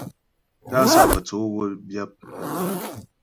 Tá'a Sá'a Fə́tsǒ wə́ byǎp mghʉɔ.